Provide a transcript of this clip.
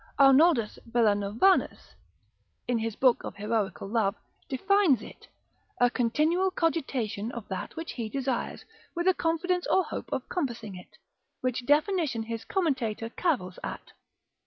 Arnoldus Villanovanus, in his book of heroical love, defines it, a continual cogitation of that which he desires, with a confidence or hope of compassing it; which definition his commentator cavils at.